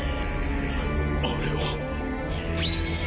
あれは。